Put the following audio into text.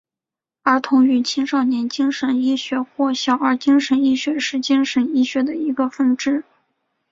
儿童与青少年精神医学或小儿精神医学是精神医学的一个分支。